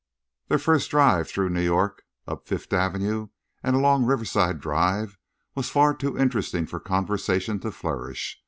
Their first drive through New York up Fifth Avenue and along Riverside Drive was far too interesting for conversation to flourish.